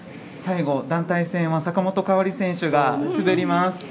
最後、団体戦は坂本花織選手が滑ります。